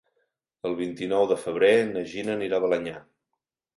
El vint-i-nou de febrer na Gina anirà a Balenyà.